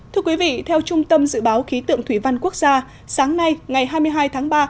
thưa quý vị theo trung tâm dự báo khí tượng thủy văn quốc gia sáng nay ngày hai mươi hai tháng ba